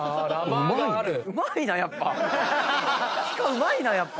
うまいなやっぱ。